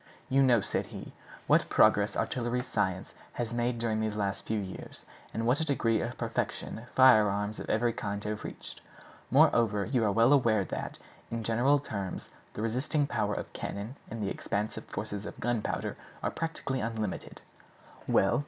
"You know," said he, "what progress artillery science has made during the last few years, and what a degree of perfection firearms of every kind have reached. Moreover, you are well aware that, in general terms, the resisting power of cannon and the expansive force of gunpowder are practically unlimited. Well!